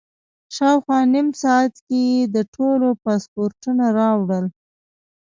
شاوخوا نیم ساعت کې یې د ټولو پاسپورټونه راوړل.